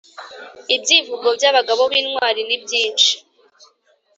Ibyivugo by'abagabo b'intwali nibyinshi